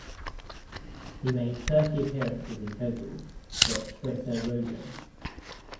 He made thirty appearances in total for Expreso Rojo.